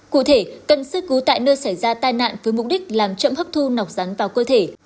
cụ thể cần sơ cứu tại nơi xảy ra tai nạn với mục đích làm chậm hấp thu nọc rắn vào cơ thể